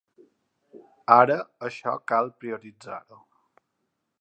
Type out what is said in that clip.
Ara això cal prioritzar-ho.